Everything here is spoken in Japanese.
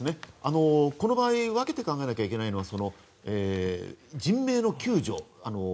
この場合分けて考えなきゃいけないのは人命の救助。